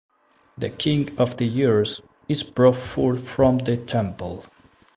The King of the Years is brought forth from the temple.